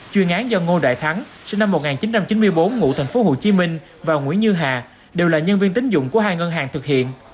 chuyên án do ngô đại thắng sinh năm một nghìn chín trăm chín mươi bốn ngụ thành phố hồ chí minh và nguyễn như hà đều là nhân viên tính dụng của hai ngân hàng thực hiện